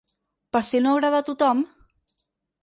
Per si no agrada a tothom?